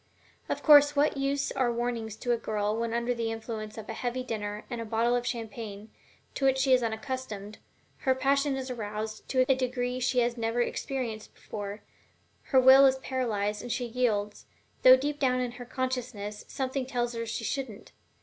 Of what use are warnings to a girl, when under the influence of a heavy dinner and a bottle of champagne, to which she is unaccustomed, her passion is aroused to a degree she has never experienced before, her will is paralyzed and she yields, though deep down in her consciousness something tells her she shouldn't?